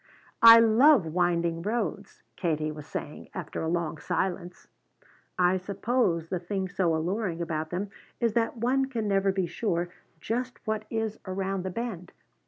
"I love winding roads," Katie was saying, after a long silence. "I suppose the thing so alluring about them is that one can never be sure just what is around the bend.